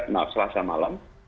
nah selasa malam